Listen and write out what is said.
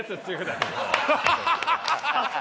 ハハハハ！